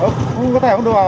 không có thẻ không được vào anh